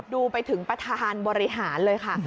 ดูไปถึงประธานบริหารเลยค่ะ